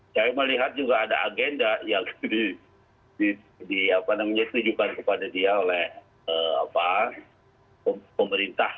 saya melihat juga ada agenda yang ditujukan kepada dia oleh pemerintah